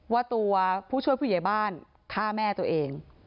ว่าตัวผู้ช่วยผู้ใหญ่บ้านฆ่าแม่ตัวเอง